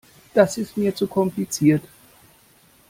Das ist mir zu kompliziert.